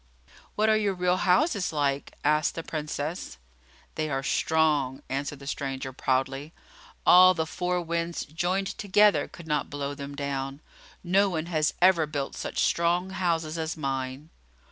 "What are your real houses like?" asked the Princess. "They are strong," answered the stranger, proudly. "All the four winds joined together could not blow them down. No one has ever built such strong houses as mine."